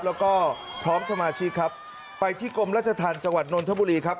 แล้วก็พร้อมสมาชิกครับไปที่กรมราชธรรมจังหวัดนนทบุรีครับ